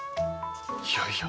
いやいや。